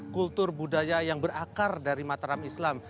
kultur budaya yang berakar dari mataram islam